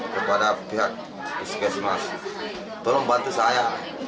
kepada pihak puskesmas tolong bantu saya